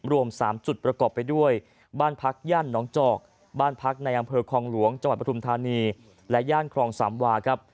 รวม๓จุดประกอบไปด้วยบ้านพักย่านน้องจอกบ้านพักในอำเภอคลองหลวงจังหวัดปฐุมธานีและย่านคลองสามวาครับ